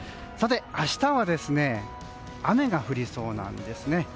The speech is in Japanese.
明日は雨が降りそうなんですね。